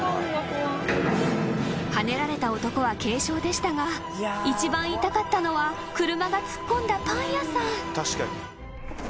［はねられた男は軽傷でしたが一番痛かったのは車が突っ込んだパン屋さん］